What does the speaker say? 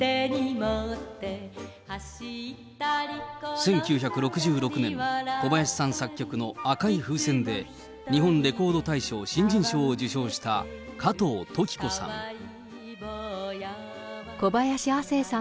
１９６６年、小林さん作曲の赤い風船で、日本レコード大賞新人賞を受賞した加藤登紀子さん。